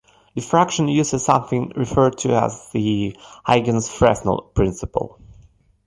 Diffraction uses something referred to as the Huygens-Fresnel principle.